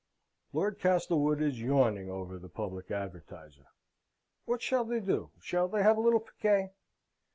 Lord Castlewood is yawning over the Public Advertiser. What shall they do? Shall they have a little piquet?